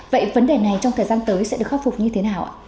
vậy vấn đề này trong thời gian tới sẽ được khắc phục như thế nào ạ